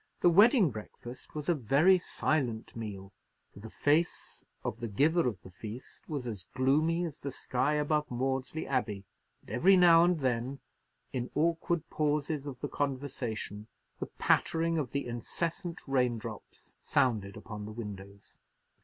The wedding breakfast was a very silent meal, for the face of the giver of the feast was as gloomy as the sky above Maudesley Abbey; and every now and then, in awkward pauses of the conversation, the pattering of the incessant raindrops sounded upon the windows.